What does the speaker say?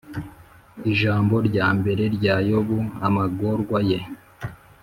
Ijambo rya mbere rya Yobu amagorwa ye